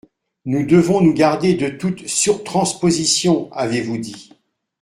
Nous devons nous garder de toute surtransposition, avez-vous dit.